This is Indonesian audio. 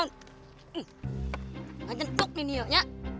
nganjeng tuk nih nionya